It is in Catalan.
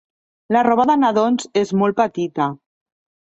La roba de nadons és molt petita.